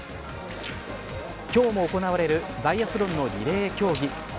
今日も行われるバイアスロンのリレー競技。